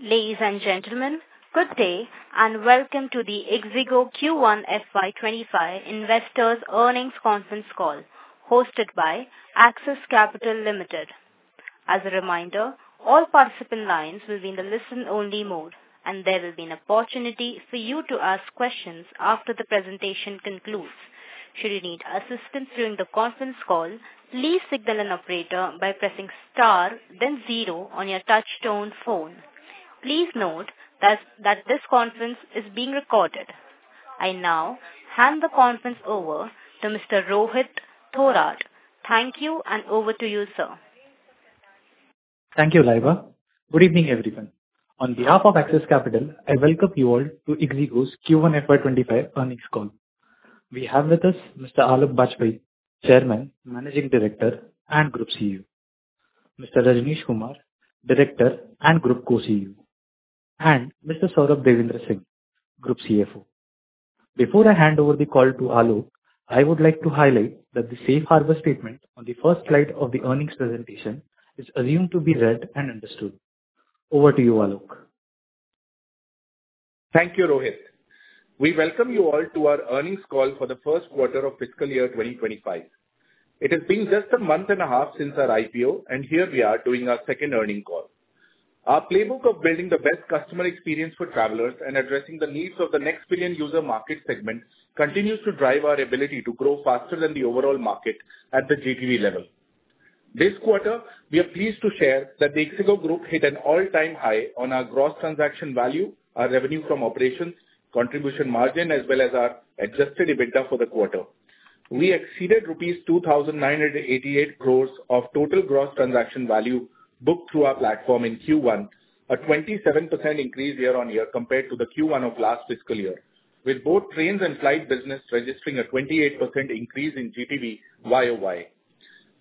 Ladies and gentlemen, good day and welcome to the ixigo Q1 FY25 Investors' Earnings Conference Call, hosted by Axis Capital Limited. As a reminder, all participant lines will be in the listen-only mode, and there will be an opportunity for you to ask questions after the presentation concludes. Should you need assistance during the conference call, please signal an operator by pressing star, then zero on your touch-tone phone. Please note that this conference is being recorded. I now hand the conference over to Mr. Rohit Thorat. Thank you, and over to you, sir. Thank you, Laira. Good evening, everyone. On behalf of Axis Capital, I welcome you all to ixigo's Q1 FY25 Earnings Call. We have with us Mr. Aloke Bajpai, Chairman, Managing Director, and Group CEO, Mr. Rajnish Kumar, Director and Group Co-CEO, and Mr. Saurabh Devendra Singh, Group CFO. Before I hand over the call to Aloke, I would like to highlight that the safe harbor statement on the first slide of the earnings presentation is assumed to be read and understood. Over to you, Aloke. Thank you, Rohit. We welcome you all to our earnings call for the first quarter of fiscal year 2025. It has been just a month and a half since our IPO, and here we are doing our second earnings call. Our playbook of building the best customer experience for travelers and addressing the needs of the next billion user market segment continues to drive our ability to grow faster than the overall market at the GTV level. This quarter, we are pleased to share that the ixigo Group hit an all-time high on our gross transaction value, our revenue from operations, Contribution Margin, as well as our Adjusted EBITDA for the quarter. We exceeded ₹2,988 crore of total gross transaction value booked through our platform in Q1, a 27% increase year-on-year compared to the Q1 of last fiscal year, with both trains and flight business registering a 28% increase in GTV YoY.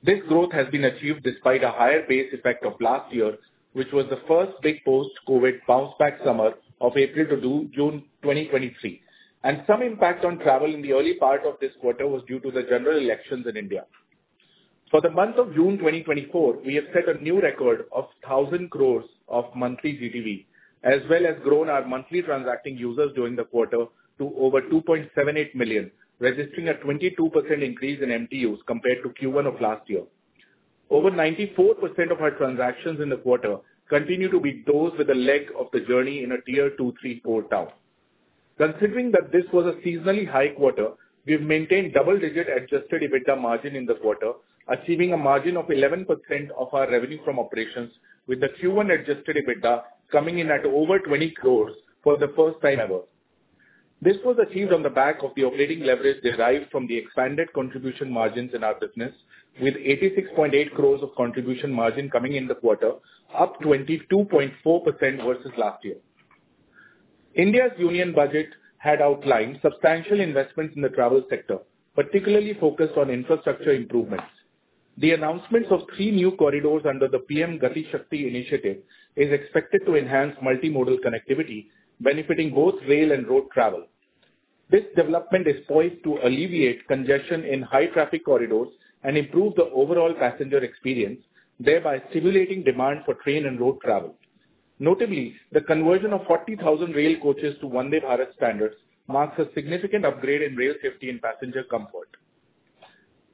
This growth has been achieved despite a higher base effect of last year, which was the first big post-COVID bounce-back summer of April to June 2023, and some impact on travel in the early part of this quarter was due to the general elections in India. For the month of June 2024, we have set a new record of ₹1,000 crore of monthly GTV, as well as grown our monthly transacting users during the quarter to over 2.78 million, registering a 22% increase in MTUs compared to Q1 of last year. Over 94% of our transactions in the quarter continue to be those with a leg of the journey in a tier-2, tier-3, and tier-4 towns. Considering that this was a seasonally high quarter, we have maintained double-digit Adjusted EBITDA margin in the quarter, achieving a margin of 11% of our revenue from operations, with the Q1 Adjusted EBITDA coming in at over 20 crore for the first time ever. This was achieved on the back of the operating leverage derived from the expanded Contribution Margin in our business, with 86.8 crore of Contribution Margin coming in the quarter, up 22.4% versus last year. India's Union Budget had outlined substantial investments in the travel sector, particularly focused on infrastructure improvements. The announcement of three new corridors under the PM Gati Shakti initiative is expected to enhance multimodal connectivity, benefiting both rail and road travel. This development is poised to alleviate congestion in high-traffic corridors and improve the overall passenger experience, thereby stimulating demand for train and road travel. Notably, the conversion of 40,000 rail coaches to Vande Bharat standards marks a significant upgrade in rail safety and passenger comfort.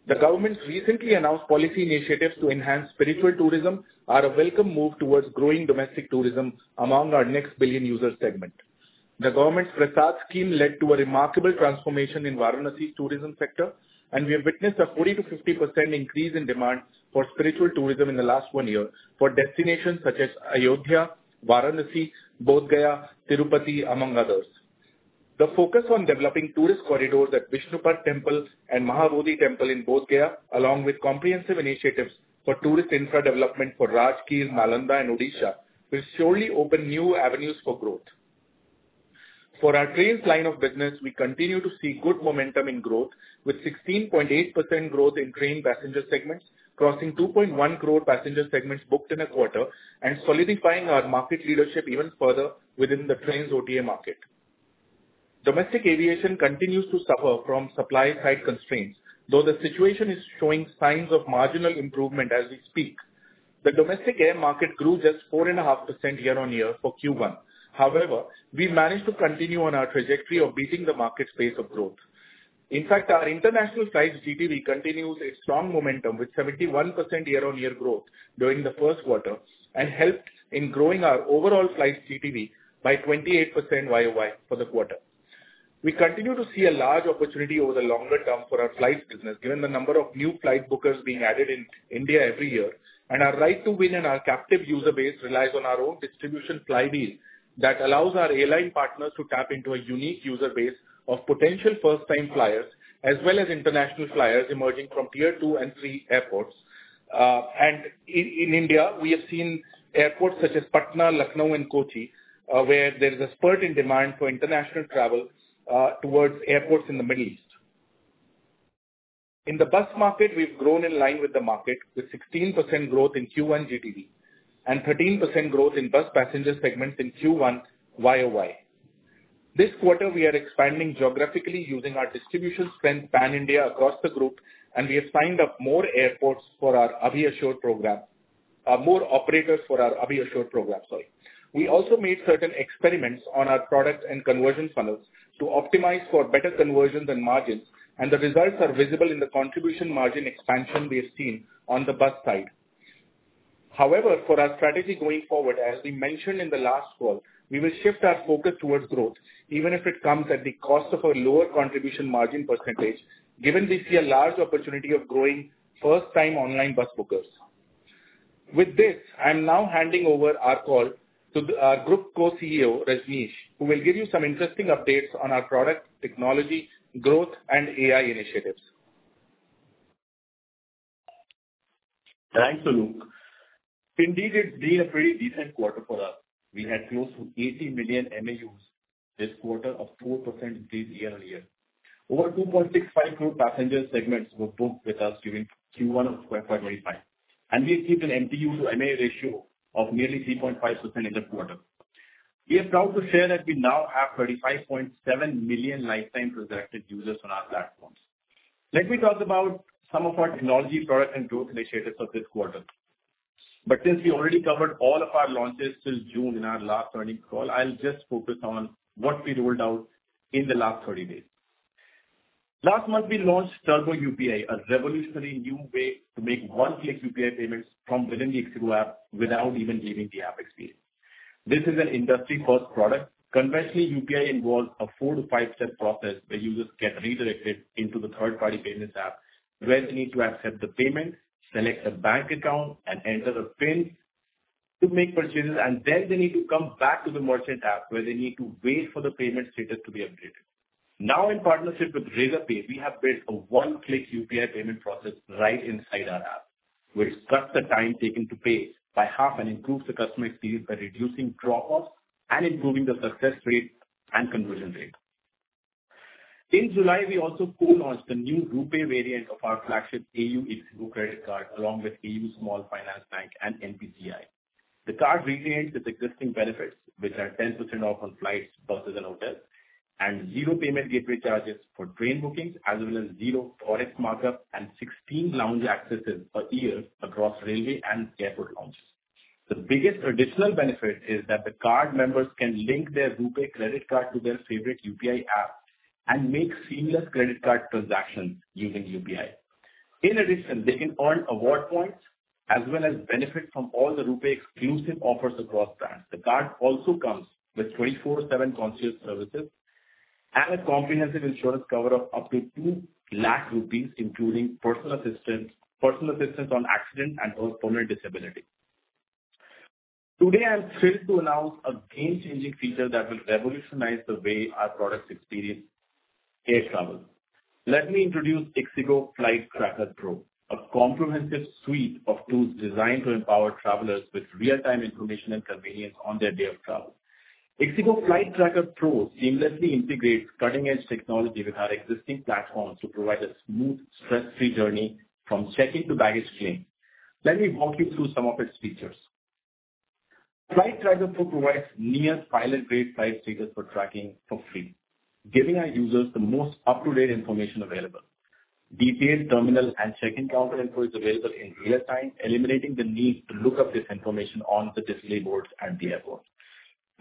The government's recently announced policy initiatives to enhance spiritual tourism are a welcome move towards growing domestic tourism among our next billion user segment. The government's PRASHAD Scheme led to a remarkable transformation in Varanasi's tourism sector, and we have witnessed a 40%-50% increase in demand for spiritual tourism in the last one year for destinations such as Ayodhya, Varanasi, Bodh Gaya, Tirupati, among others. The focus on developing tourist corridors at Vishnupad Temple and Mahabodhi Temple in Bodh Gaya, along with comprehensive initiatives for tourist infra development for Rajgir, Nalanda, and Odisha, will surely open new avenues for growth. For our trains line of business, we continue to see good momentum in growth, with 16.8% growth in train passenger segments, crossing 2.1 crore passenger segments booked in a quarter and solidifying our market leadership even further within the trains OTA market. Domestic aviation continues to suffer from supply-side constraints, though the situation is showing signs of marginal improvement as we speak. The domestic air market grew just 4.5% year-on-year for Q1. However, we managed to continue on our trajectory of beating the market pace of growth. In fact, our international flight GTV continues a strong momentum with 71% year-on-year growth during the first quarter and helped in growing our overall flight GTV by 28% YoY for the quarter. We continue to see a large opportunity over the longer term for our flight business, given the number of new flight bookers being added in India every year, and our right to win and our captive user base relies on our own distribution flywheel that allows our airline partners to tap into a unique user base of potential first-time flyers, as well as international flyers emerging from tier two and three airports. In India, we have seen airports such as Patna, Lucknow, and Kochi, where there is a spurt in demand for international travel towards airports in the Middle East. In the bus market, we've grown in line with the market with 16% growth in Q1 GTV and 13% growth in bus passenger segments in Q1 YoY. This quarter, we are expanding geographically using our distribution spend pan-India across the group, and we have signed up more airports for our AbhiBus Assured program, more operators for our AbhiBus Assured program, sorry. We also made certain experiments on our product and conversion funnels to optimize for better conversions and margins, and the results are visible in the contribution margin expansion we have seen on the bus side. However, for our strategy going forward, as we mentioned in the last call, we will shift our focus towards growth, even if it comes at the cost of a lower contribution margin percentage, given we see a large opportunity of growing first-time online bus bookers. With this, I'm now handing over our call to our Group Co-CEO, Rajnish, who will give you some interesting updates on our product technology, growth, and AI initiatives. Thanks, Aloke. Indeed, it's been a pretty decent quarter for us. We had close to 80 million MAUs this quarter, up 4% year-on-year. Over 2.65 crore passenger segments were booked with us during Q1 of 2025, and we achieved an MTU to MA ratio of nearly 3.5% in the quarter. We are proud to share that we now have 35.7 million lifetime transaction users on our platforms. Let me talk about some of our technology product and growth initiatives of this quarter. But since we already covered all of our launches since June in our last earnings call, I'll just focus on what we rolled out in the last 30 days. Last month, we launched Turbo UPI, a revolutionary new way to make one-click UPI payments from within the ixigo app without even leaving the app experience. This is an industry-first product. Conventionally, UPI involves a 4-5-step process where users get redirected into the third-party payments app where they need to accept the payment, select a bank account, and enter a PIN to make purchases, and then they need to come back to the merchant app where they need to wait for the payment status to be updated. Now, in partnership with Razorpay, we have built a one-click UPI payment process right inside our app, which cuts the time taken to pay by half and improves the customer experience by reducing drop-offs and improving the success rate and conversion rate. In July, we also co-launched the new RuPay variant of our flagship AU ixigo Credit Card along with AU Small Finance Bank and NPCI. The card retains its existing benefits, which are 10% off on flights, buses, and hotels, and zero payment gateway charges for train bookings, as well as zero forex markup and 16 lounge accesses per year across railway and airport lounges. The biggest additional benefit is that the card members can link their RuPay credit card to their favorite UPI app and make seamless credit card transactions using UPI. In addition, they can earn award points as well as benefit from all the RuPay exclusive offers across brands. The card also comes with 24/7 concierge services and a comprehensive insurance cover of up to 200,000 rupees, including personal assistance on accident and personal disability. Today, I'm thrilled to announce a game-changing feature that will revolutionize the way our products experience air travel. Let me introduce ixigo Flight Tracker Pro, a comprehensive suite of tools designed to empower travelers with real-time information and convenience on their day of travel. ixigo Flight Tracker Pro seamlessly integrates cutting-edge technology with our existing platforms to provide a smooth, stress-free journey from checking to baggage claim. Let me walk you through some of its features. Flight Tracker Pro provides near-pilot-grade flight status for tracking for free, giving our users the most up-to-date information available. Detailed terminal and check-in counter info is available in real time, eliminating the need to look up this information on the display boards at the airport.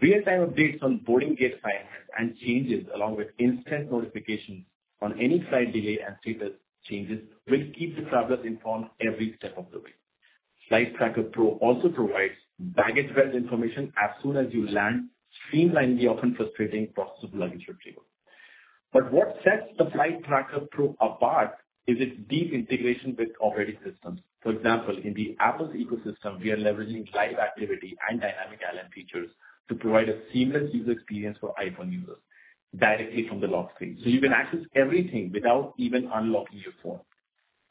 Real-time updates on boarding gate signs and changes, along with instant notifications on any flight delay and status changes, will keep the travelers informed every step of the way. Flight Tracker Pro also provides baggage belt information as soon as you land, streamlining the often frustrating process of luggage retrieval. But what sets the Flight Tracker Pro apart is its deep integration with operating systems. For example, in the Apple ecosystem, we are leveraging live activity and dynamic island features to provide a seamless user experience for iPhone users directly from the lock screen. So you can access everything without even unlocking your phone.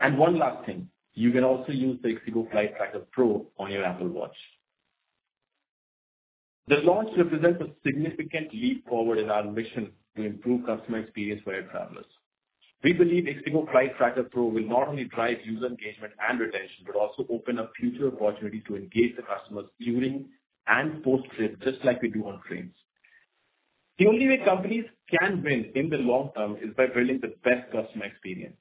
And one last thing, you can also use the ixigo Flight Tracker Pro on your Apple Watch. The launch represents a significant leap forward in our mission to improve customer experience for air travelers. We believe ixigo Flight Tracker Pro will not only drive user engagement and retention, but also open up future opportunities to engage the customers during and post-trip, just like we do on trains. The only way companies can win in the long term is by building the best customer experience.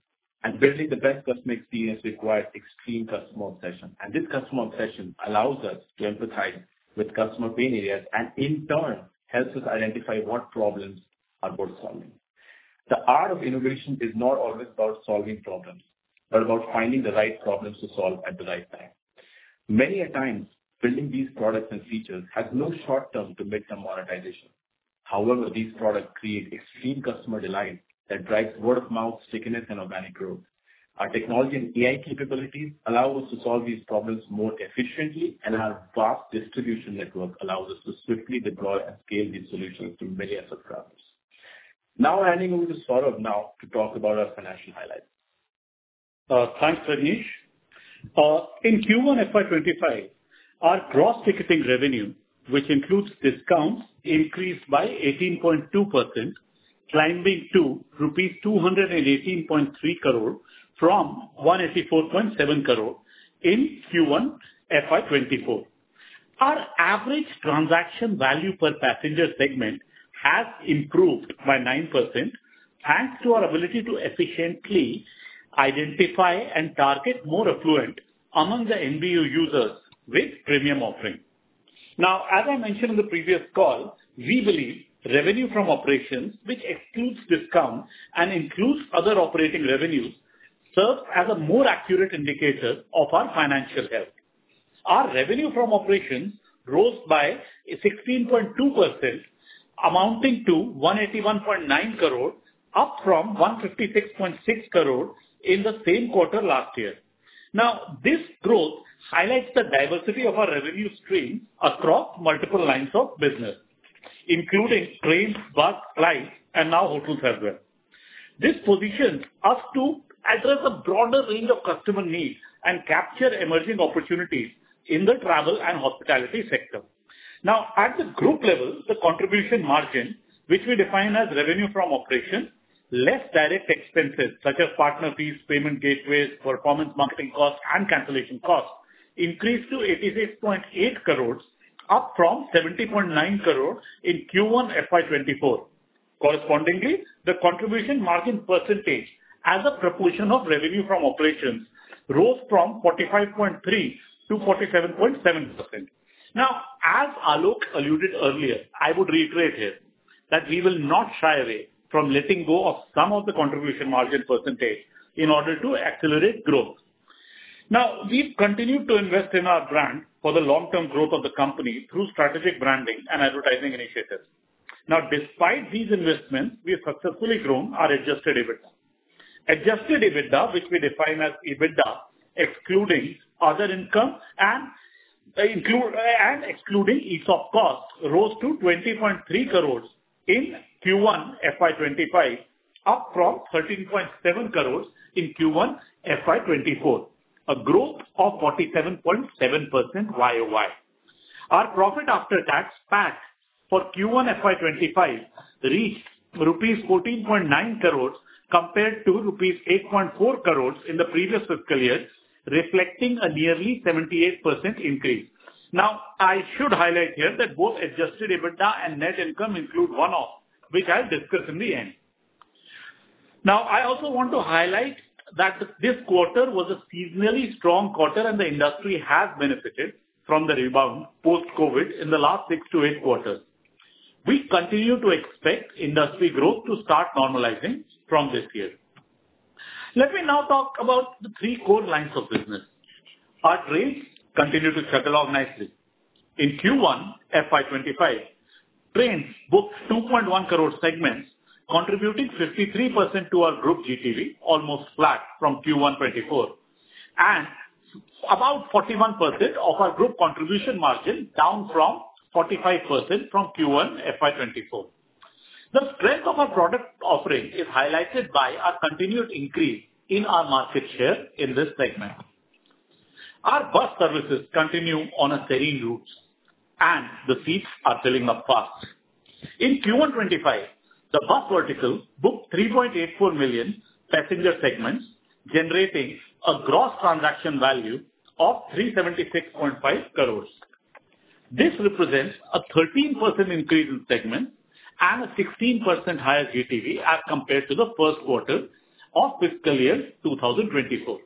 Building the best customer experience requires extreme customer obsession. This customer obsession allows us to empathize with customer pain areas and, in turn, helps us identify what problems are worth solving. The art of innovation is not always about solving problems, but about finding the right problems to solve at the right time. Many times, building these products and features has no short term to make them monetization. However, these products create extreme customer delight that drives word-of-mouth, stickiness, and organic growth. Our technology and AI capabilities allow us to solve these problems more efficiently, and our vast distribution network allows us to swiftly deploy and scale these solutions to millions of travelers. Now, handing over to Saurabh now to talk about our financial highlights. Thanks, Rajnish. In Q1 FY25, our gross ticketing revenue, which includes discounts, increased by 18.2%, climbing to ₹218.3 crore from ₹184.7 crore in Q1 FY24. Our average transaction value per passenger segment has improved by 9% thanks to our ability to efficiently identify and target more affluent among the NBU users with premium offering. Now, as I mentioned in the previous call, we believe revenue from operations, which excludes discounts and includes other operating revenues, serves as a more accurate indicator of our financial health. Our revenue from operations rose by 16.2%, amounting to ₹181.9 crore, up from ₹156.6 crore in the same quarter last year. Now, this growth highlights the diversity of our revenue stream across multiple lines of business, including trains, bus, flights, and now hotels as well. This positions us to address a broader range of customer needs and capture emerging opportunities in the travel and hospitality sector. Now, at the group level, the contribution margin, which we define as revenue from operations, less direct expenses such as partner fees, payment gateways, performance marketing costs, and cancellation costs, increased to ₹86.8 crore, up from ₹70.9 crore in Q1 FY2024. Correspondingly, the contribution margin percentage as a proportion of revenue from operations rose from 45.3% to 47.7%. Now, as Aloke alluded earlier, I would reiterate here that we will not shy away from letting go of some of the contribution margin percentage in order to accelerate growth. Now, we've continued to invest in our brand for the long-term growth of the company through strategic branding and advertising initiatives. Now, despite these investments, we have successfully grown our adjusted EBITDA. Adjusted EBITDA, which we define as EBITDA excluding other income and excluding ESOP costs, rose to 20.3 crore in Q1 FY25, up from 13.7 crore in Q1 FY24, a growth of 47.7% YoY. Our profit after tax PAT for Q1 FY25 reached rupees 14.9 crore compared to rupees 8.4 crore in the previous fiscal year, reflecting a nearly 78% increase. Now, I should highlight here that both adjusted EBITDA and net income include one-off, which I'll discuss in the end. Now, I also want to highlight that this quarter was a seasonally strong quarter, and the industry has benefited from the rebound post-COVID in the last six to eight quarters. We continue to expect industry growth to start normalizing from this year. Let me now talk about the three core lines of business. Our trains continue to shuttle out nicely. In Q1 FY25, trains booked 2.1 crore segments, contributing 53% to our group GTV, almost flat from Q1 FY24, and about 41% of our group contribution margin down from 45% from Q1 FY24. The strength of our product offering is highlighted by our continued increase in our market share in this segment. Our bus services continue on a steady route, and the seats are filling up fast. In Q1 FY25, the bus vertical booked 3.84 million passenger segments, generating a gross transaction value of ₹376.5 crore. This represents a 13% increase in segments and a 16% higher GTV as compared to the first quarter of fiscal year 2024.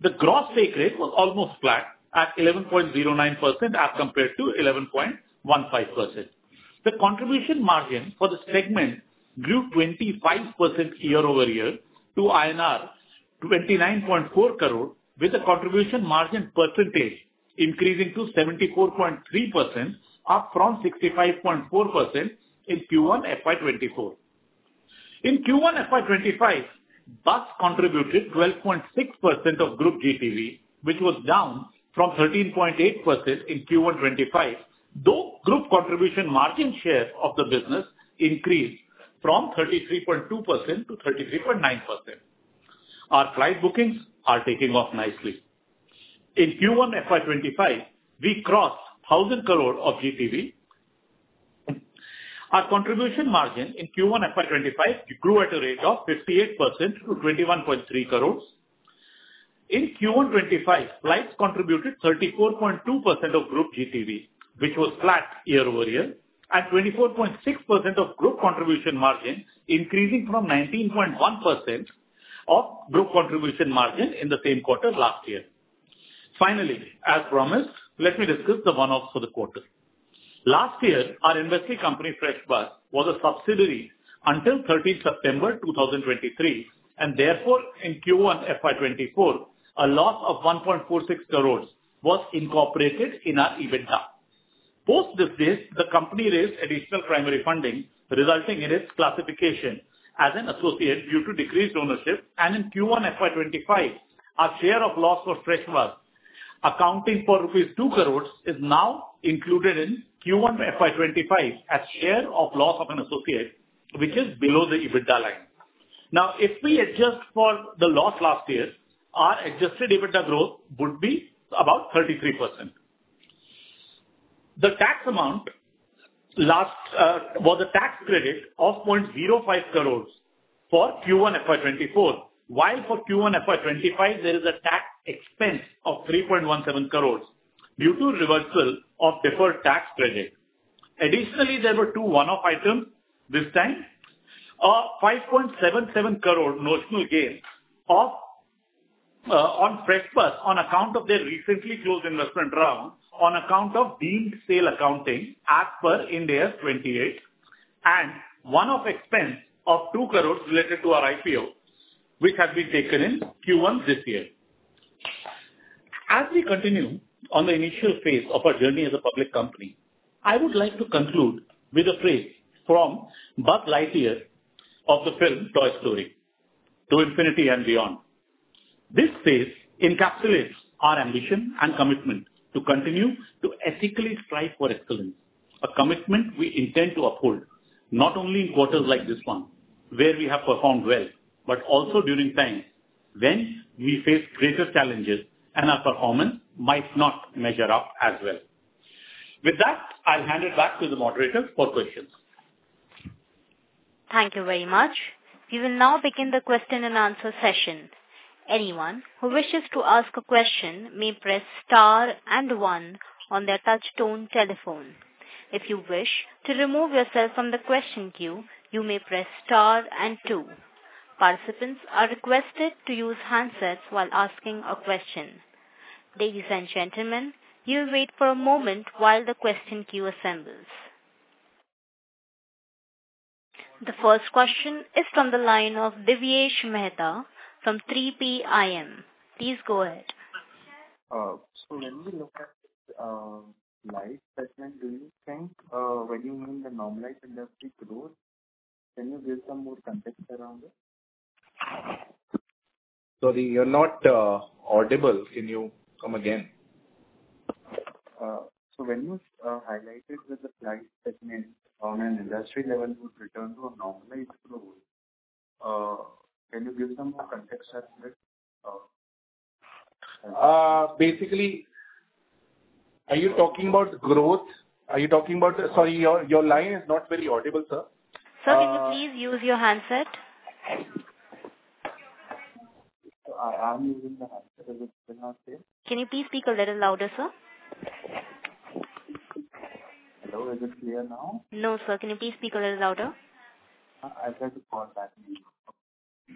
The gross take rate was almost flat at 11.09% as compared to 11.15%. The contribution margin for the segment grew 25% year-over-year to INR 29.4 crore, with the contribution margin percentage increasing to 74.3%, up from 65.4% in Q1 FY24. In Q1 FY25, bus contributed 12.6% of group GTV, which was down from 13.8% in Q1 FY24, though group contribution margin share of the business increased from 33.2% to 33.9%. Our flight bookings are taking off nicely. In Q1 FY25, we crossed 1,000 crore of GTV. Our contribution margin in Q1 FY25 grew at a rate of 58% to 21.3 crore. In Q1 FY25, flights contributed 34.2% of group GTV, which was flat year-over-year, and 24.6% of group contribution margin, increasing from 19.1% of group contribution margin in the same quarter last year. Finally, as promised, let me discuss the one-offs for the quarter. Last year, our investment company, FreshBus, was a subsidiary until 13 September 2023, and therefore, in Q1 FY24, a loss of 1.46 crore was incorporated in our EBITDA. Post this date, the company raised additional primary funding, resulting in its classification as an associate due to decreased ownership. In Q1 FY25, our share of loss for FreshBus, accounting for rupees 2 crore, is now included in Q1 FY25 as share of loss of an associate, which is below the EBITDA line. Now, if we adjust for the loss last year, our adjusted EBITDA growth would be about 33%. The tax amount was a tax credit of 0.05 crore for Q1 FY24, while for Q1 FY25, there is a tax expense of 3.17 crore due to reversal of deferred tax credit. Additionally, there were two one-off items this time: 5.77 crore notional gain on FreshBus on account of their recently closed investment round on account of deemed sale accounting as per Ind AS 28, and one-off expense of 2 crore related to our IPO, which has been taken in Q1 this year. As we continue on the initial phase of our journey as a public company, I would like to conclude with a phrase from Buzz Lightyear of the film Toy Story: "To Infinity and Beyond." This phrase encapsulates our ambition and commitment to continue to ethically strive for excellence, a commitment we intend to uphold not only in quarters like this one, where we have performed well, but also during times when we face greater challenges and our performance might not measure up as well. With that, I'll hand it back to the moderators for questions. Thank you very much. We will now begin the question and answer session. Anyone who wishes to ask a question may press star and one on their touch-tone telephone. If you wish to remove yourself from the question queue, you may press star and two. Participants are requested to use handsets while asking a question. Ladies and gentlemen, you will wait for a moment while the question queue assembles. The first question is from the line of Devesh Mehta from 3P IM. Please go ahead. When we look at this flight segment, do you think, when you mean the normalized industry growth, can you give some more context around it? Sorry, you're not audible. Can you come again? When you highlighted that the flight segment on an industry level would return to a normalized growth, can you give some more context around it? Basically, are you talking about growth? Are you talking about? Sorry, your line is not very audible, sir. Sir, can you please use your handset? I am using the handset. Is it clear now, sir? Can you please speak a little louder, sir? Hello, is it clear now? No, sir. Can you please speak a little louder? I'll try to call back.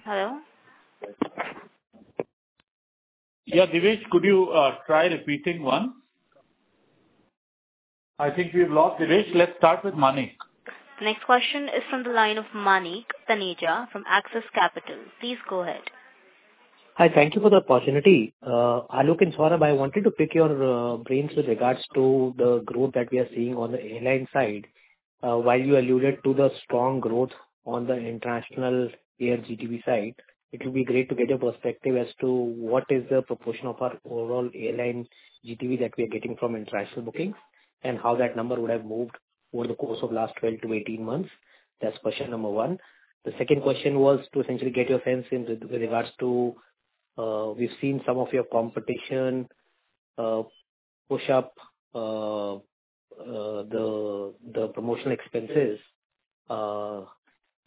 Hello? Yeah, Devyesh, could you try repeating one? I think we've lost Devyesh. Let's start with Manik. Next question is from the line of Manik Taneja from Axis Capital. Please go ahead. Hi, thank you for the opportunity. Aloke and Saurabh, I wanted to pick your brains with regards to the growth that we are seeing on the airline side. While you alluded to the strong growth on the international air GTV side, it would be great to get your perspective as to what is the proportion of our overall airline GTV that we are getting from international bookings and how that number would have moved over the course of the last 12-18 months. That's question number one. The second question was to essentially get your sense with regards to we've seen some of your competition push up the promotional expenses.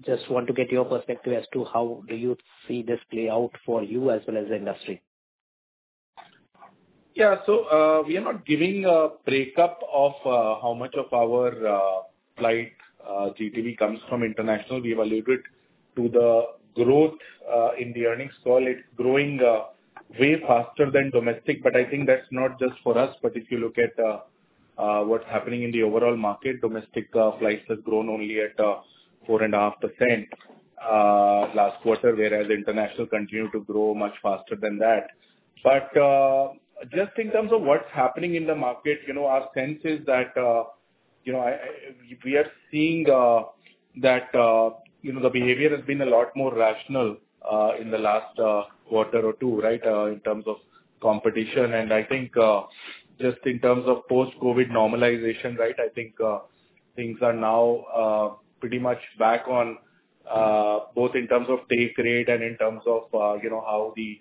Just want to get your perspective as to how do you see this play out for you as well as the industry? Yeah, so we are not giving a breakup of how much of our flight GTV comes from international. We alluded to the growth in the earnings call; it's growing way faster than domestic, but I think that's not just for us. But if you look at what's happening in the overall market, domestic flights have grown only at 4.5% last quarter, whereas international continued to grow much faster than that. But just in terms of what's happening in the market, our sense is that we are seeing that the behavior has been a lot more rational in the last quarter or two, right, in terms of competition. And I think just in terms of post-COVID normalization, right, I think things are now pretty much back on both in terms of take rate and in terms of how the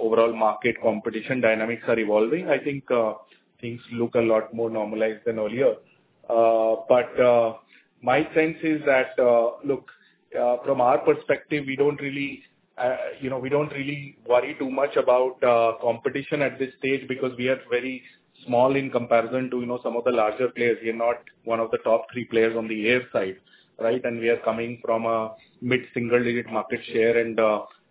overall market competition dynamics are evolving. I think things look a lot more normalized than earlier. But my sense is that, look, from our perspective, we don't really—we don't really worry too much about competition at this stage because we are very small in comparison to some of the larger players. We are not one of the top three players on the air side, right? And we are coming from a mid-single-digit market share and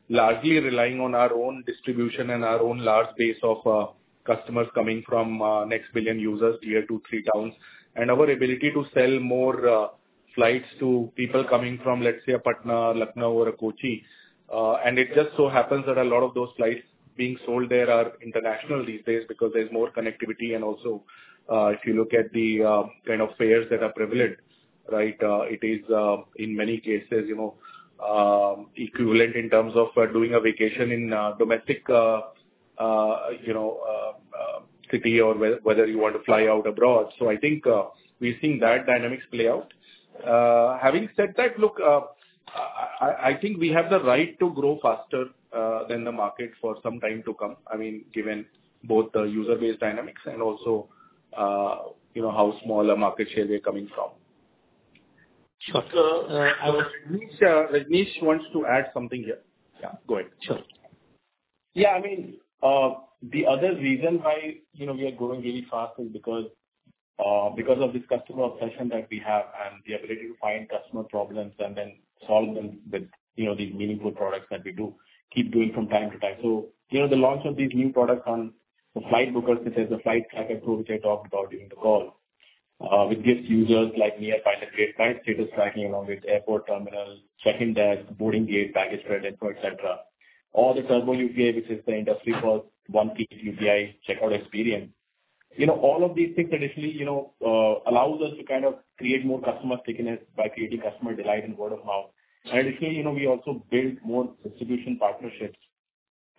largely relying on our own distribution and our own large base of customers coming from next billion users tier two, three towns. And our ability to sell more flights to people coming from, let's say, a Patna, a Lucknow, or a Kochi. And it just so happens that a lot of those flights being sold there are international these days because there's more connectivity. And also, if you look at the kind of fares that are prevalent, right, it is in many cases equivalent in terms of doing a vacation in a domestic city or whether you want to fly out abroad. So I think we're seeing that dynamics play out. Having said that, look, I think we have the right to grow faster than the market for some time to come. I mean, given both the user-based dynamics and also how small a market share we are coming from. Sure. So Rajnish wants to add something here. Yeah, go ahead. Sure. Yeah, I mean, the other reason why we are growing really fast is because of this customer obsession that we have and the ability to find customer problems and then solve them with these meaningful products that we do keep doing from time to time. So the launch of these new products on the flight booking, which is the flight tracker tool which I talked about during the call, which gives users like me a pilot-grade flight status tracking along with airport terminal, check-in desk, boarding gate, baggage claim info, etc. All the Turbo UPI, which is the industry-class one-click UPI checkout experience. All of these things additionally allow us to kind of create more customer stickiness by creating customer delight and word of mouth. And additionally, we also build more distribution partnerships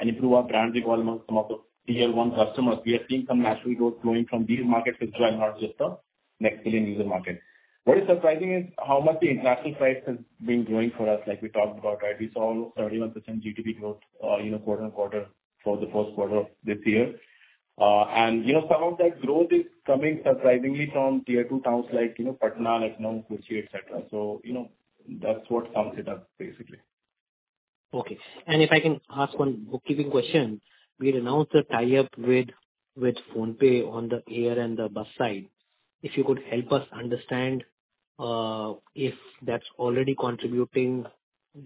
and improve our brand recall among some of the tier-one customers. We are seeing some national growth coming from these markets as well, not just the next billion user market. What is surprising is how much the international flight has been growing for us, like we talked about, right? We saw almost 31% GTV growth quarter-on-quarter for the first quarter of this year. And some of that growth is coming surprisingly from tier-two towns like Patna, Lucknow, Kochi, etc. So that's what sums it up, basically. Okay. And if I can ask one bookkeeping question, we announced a tie-up with PhonePe on the air and the bus side. If you could help us understand if that's already contributing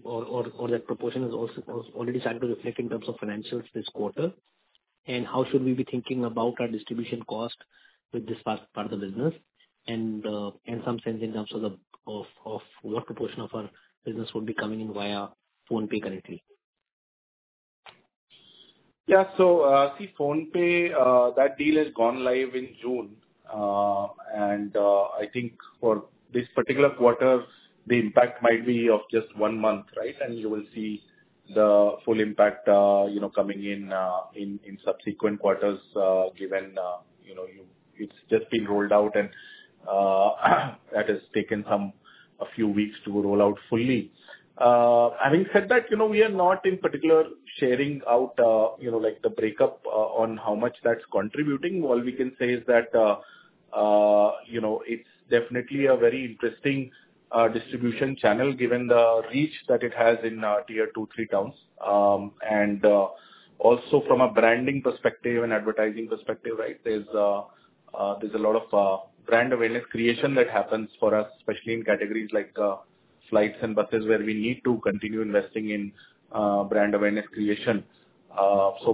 or that proportion is already starting to reflect in terms of financials this quarter, and how should we be thinking about our distribution cost with this part of the business, and in some sense, in terms of what proportion of our business would be coming in via PhonePe currently? Yeah, so see, PhonePe, that deal has gone live in June. And I think for this particular quarter, the impact might be of just one month, right? And you will see the full impact coming in subsequent quarters given it's just been rolled out, and that has taken a few weeks to roll out fully. Having said that, we are not in particular sharing out the breakup on how much that's contributing. All we can say is that it's definitely a very interesting distribution channel given the reach that it has in tier 2, 3 towns. Also, from a branding perspective and advertising perspective, right, there's a lot of brand awareness creation that happens for us, especially in categories like flights and buses where we need to continue investing in brand awareness creation.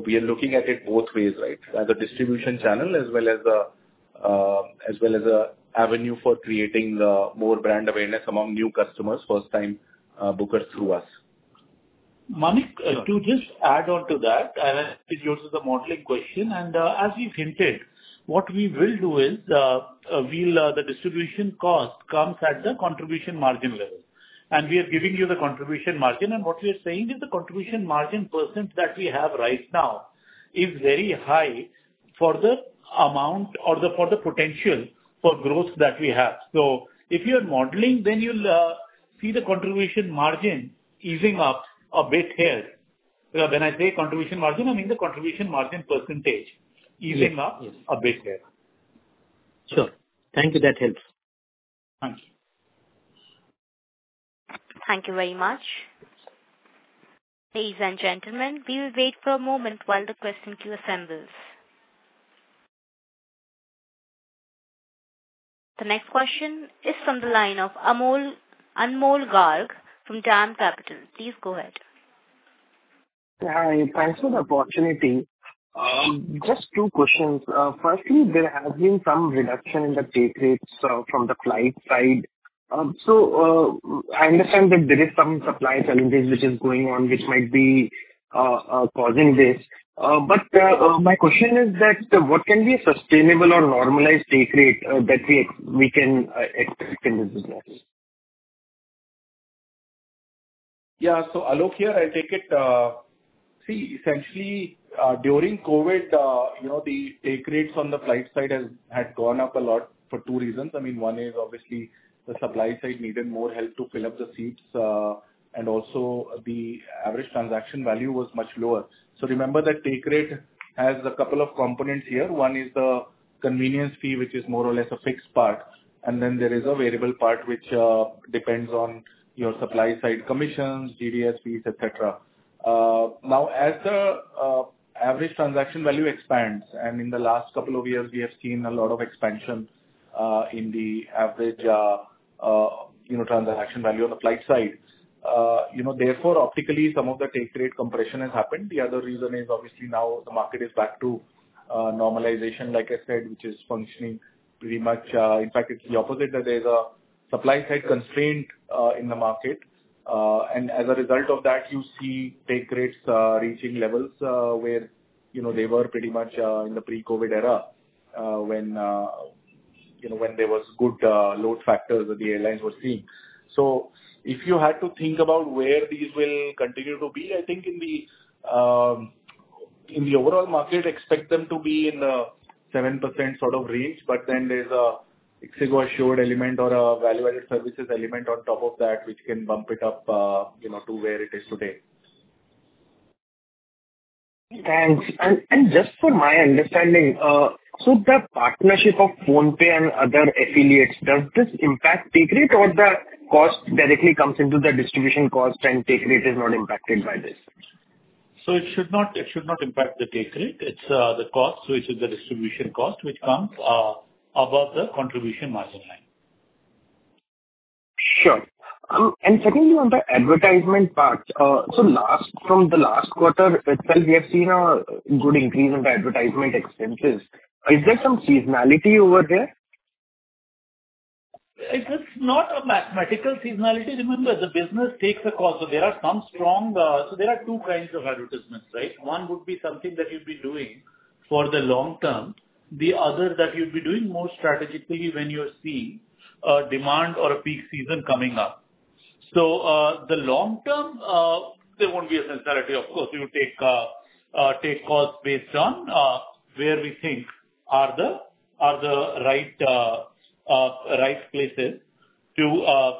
We are looking at it both ways, right, as a distribution channel as well as an avenue for creating more brand awareness among new customers, first-time bookers through us. Manik, to just add on to that, and it goes to the modeling question. As you've hinted, what we will do is the distribution cost comes at the contribution margin level. We are giving you the contribution margin. What we are saying is the Contribution Margin percent that we have right now is very high for the amount or for the potential for growth that we have. So if you're modeling, then you'll see the Contribution Margin easing up a bit here. When I say Contribution Margin, I mean the Contribution Margin percentage easing up a bit here. Sure. Thank you. That helps. Thank you. Thank you very much. Ladies and gentlemen, we will wait for a moment while the question queue assembles. The next question is from the line of Amol Garg from DAM Capital. Please go ahead. Hi. Thanks for the opportunity. Just two questions. Firstly, there has been some reduction in the take rates from the flight side. So I understand that there are some supply challenges which are going on which might be causing this. But my question is that what can be a sustainable or normalized take rate that we can expect in this business? Yeah, so Aloke here, I'll take it. See, essentially, during COVID, the take rates on the flight side had gone up a lot for two reasons. I mean, one is obviously the supply side needed more help to fill up the seats, and also the average transaction value was much lower. So remember that take rate has a couple of components here. One is the convenience fee, which is more or less a fixed part. And then there is a variable part which depends on your supply side commissions, GDS fees, etc. Now, as the average transaction value expands, and in the last couple of years, we have seen a lot of expansion in the average transaction value on the flight side. Therefore, optically, some of the take rate compression has happened. The other reason is obviously now the market is back to normalization, like I said, which is functioning pretty much. In fact, it's the opposite that there's a supply-side constraint in the market. As a result of that, you see take rates reaching levels where they were pretty much in the pre-COVID era when there were good load factors that the airlines were seeing. If you had to think about where these will continue to be, I think in the overall market, expect them to be in the 7% sort of range. But then there's an ixigo assured element or a value-added services element on top of that which can bump it up to where it is today. Thanks. Just for my understanding, so the partnership of PhonePe and other affiliates, does this impact take rate or the cost directly comes into the distribution cost and take rate is not impacted by this? It should not impact the take rate. It's the cost, which is the distribution cost, which comes above the Contribution Margin line. Sure. And secondly, on the advertisement part, so from the last quarter itself, we have seen a good increase in the advertisement expenses. Is there some seasonality over there? It's not a mathematical seasonality. Remember, the business takes a cost. So there are two kinds of advertisements, right? One would be something that you'd be doing for the long term, the other that you'd be doing more strategically when you're seeing a demand or a peak season coming up. So the long term, there won't be a seasonality, of course. We would take cost based on where we think are the right places to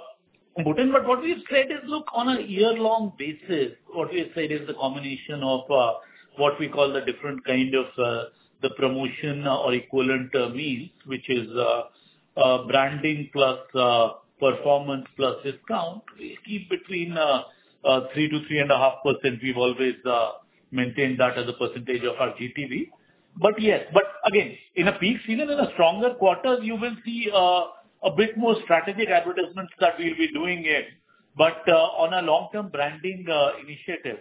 put in. But what we have said is, look, on a year-long basis, what we have said is the combination of what we call the different kind of the promotion or equivalent means, which is branding plus performance plus discount. We keep between 3%-3.5%. We've always maintained that as a percentage of our GTV. But yes. Again, in a peak season and a stronger quarter, you will see a bit more strategic advertisements that we'll be doing here. On a long-term branding initiative,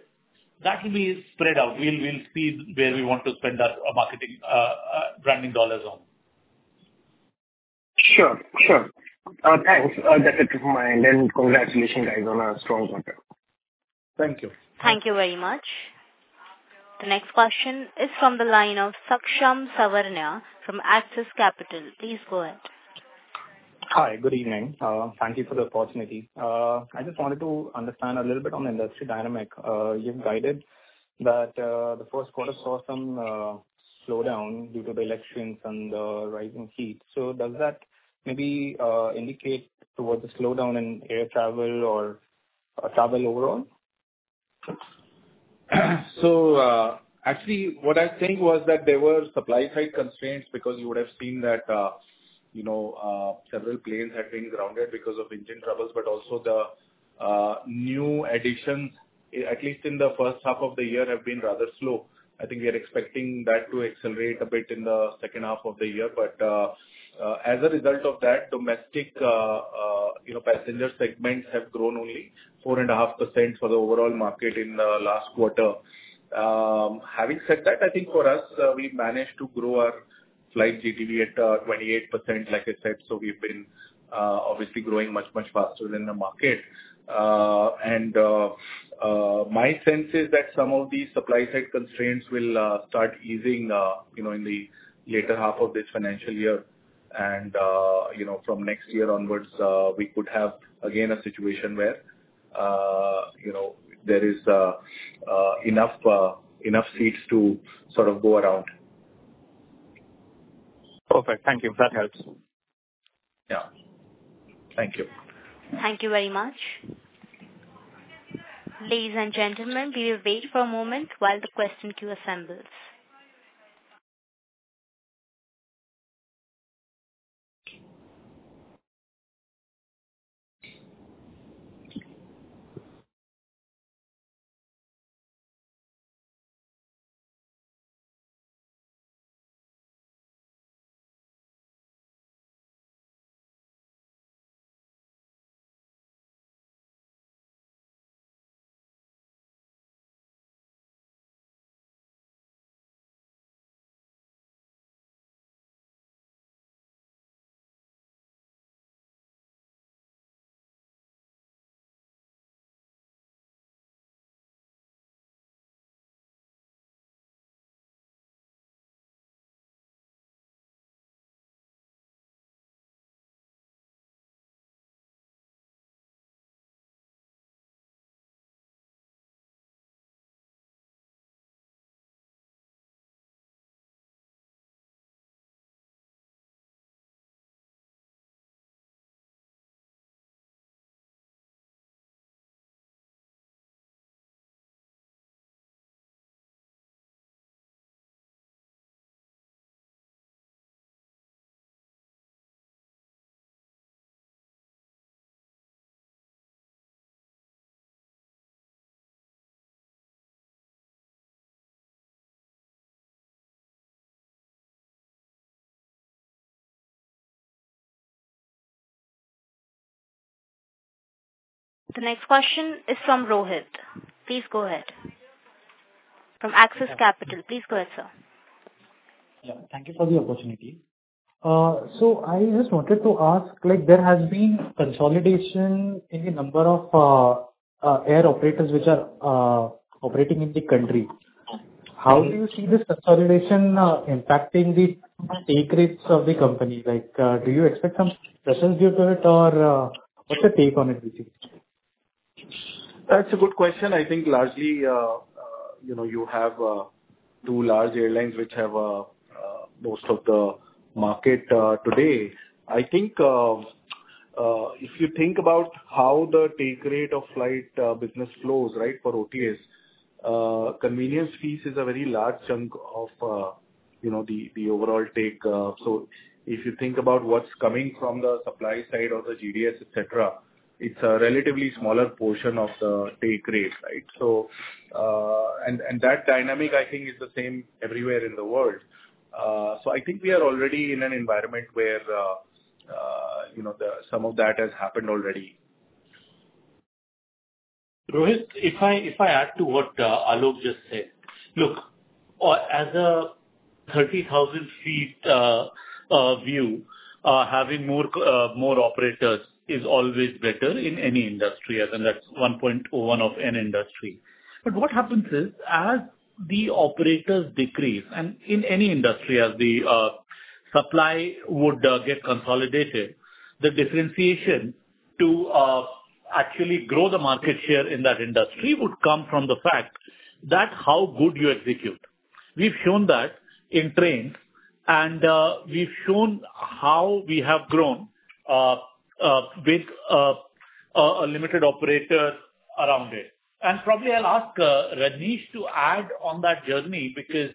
that will be spread out. We'll see where we want to spend our marketing branding dollars on. Sure. Sure. Thanks. That's it from my end. Congratulations, guys, on a strong quarter. Thank you. Thank you very much. The next question is from the line of Saksham Savarna from Axis Capital. Please go ahead. Hi. Good evening. Thank you for the opportunity. I just wanted to understand a little bit on the industry dynamic. You've guided that the first quarter saw some slowdown due to the elections and the rising heat. Does that maybe indicate towards a slowdown in air travel or travel overall? So actually, what I think was that there were supply-side constraints because you would have seen that several planes had been grounded because of engine troubles. But also the new additions, at least in the first half of the year, have been rather slow. I think we are expecting that to accelerate a bit in the second half of the year. But as a result of that, domestic passenger segments have grown only 4.5% for the overall market in the last quarter. Having said that, I think for us, we managed to grow our flight GTV at 28%, like I said. So we've been obviously growing much, much faster than the market. And my sense is that some of these supply-side constraints will start easing in the later half of this financial year. From next year onwards, we could have again a situation where there is enough seats to sort of go around. Perfect. Thank you. That helps. Yeah. Thank you. Thank you very much. Ladies and gentlemen, we will wait for a moment while the question queue assembles. The next question is from Rohit. Please go ahead. From Axis Capital. Please go ahead, sir. Yeah. Thank you for the opportunity. So I just wanted to ask, there has been consolidation in the number of air operators which are operating in the country. How do you see this consolidation impacting the take rates of the company? Do you expect some pressures due to it, or what's your take on it, Uncertain]? That's a good question. I think largely you have two large airlines which have most of the market today. I think if you think about how the take rate of flight business flows, right, for OTS, convenience fees is a very large chunk of the overall take. So if you think about what's coming from the supply side or the GDS, etc., it's a relatively smaller portion of the take rate, right? And that dynamic, I think, is the same everywhere in the world. So I think we are already in an environment where some of that has happened already. Rohit, if I add to what Aloke just said, look, as a 30,000-foot view, having more operators is always better in any industry, as in that's 101 of any industry. But what happens is, as the operators decrease, and in any industry, as the supply would get consolidated, the differentiation to actually grow the market share in that industry would come from the fact that how good you execute. We've shown that in trains, and we've shown how we have grown with a limited operator around it. And probably I'll ask Rajnish to add on that journey because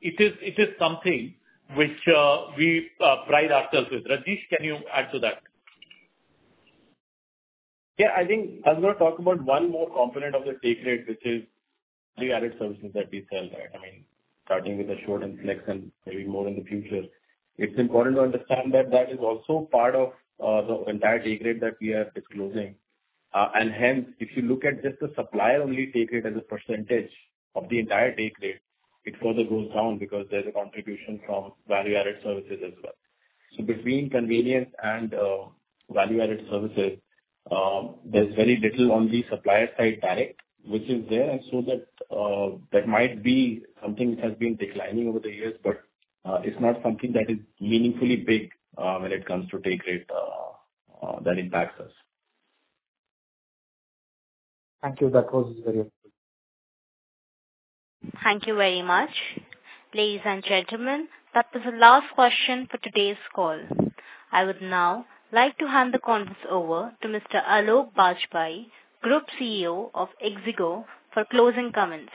it is something which we pride ourselves with. Rajnish, can you add to that? Yeah. I think I'm going to talk about one more component of the take rate, which is the added services that we sell, right? I mean, starting with the Assured and Flex and maybe more in the future. It's important to understand that that is also part of the entire take rate that we are disclosing. And hence, if you look at just the supplier-only take rate as a percentage of the entire take rate, it further goes down because there's a contribution from value-added services as well. So between convenience and value-added services, there's very little on the supplier side direct which is there. And so that might be something that has been declining over the years, but it's not something that is meaningfully big when it comes to take rate that impacts us. Thank you. That was very helpful. Thank you very much. Ladies and gentlemen, that was the last question for today's call. I would now like to hand the conference over to Mr. Aloke Bajpai, Group CEO of ixigo, for closing comments.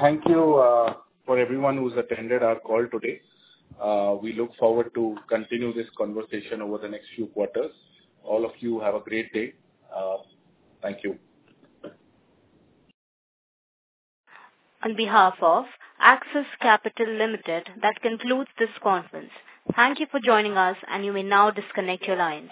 Thank you for everyone who's attended our call today. We look forward to continue this conversation over the next few quarters. All of you, have a great day. Thank you. On behalf of Axis Capital Limited, that concludes this conference. Thank you for joining us, and you may now disconnect your lines.